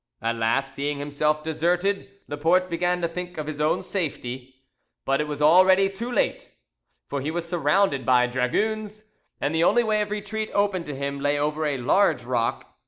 At last, seeing himself deserted, Laporte began to think of his own safety. But it was already too late, for he was surrounded by dragoons, and the only way of retreat open to him lay over a large rock.